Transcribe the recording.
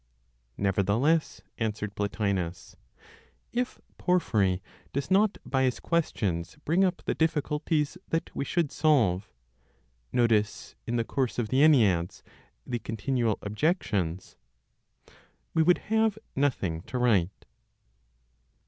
"Nevertheless," answered Plotinos, "if Porphyry does not, by his questions, bring up the difficulties that we should solve (notice, in the course of the Enneads, the continual objections), we would have nothing to write."